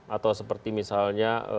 atau seperti misalnya